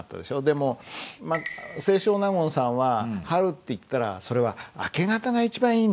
でも清少納言さんは「春っていったらそれは明け方が一番いいんだよ」。